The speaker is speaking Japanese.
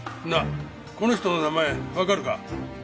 なあこの人の名前わかるか？